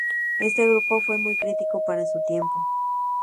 Este grupo fue muy crítico para su tiempo.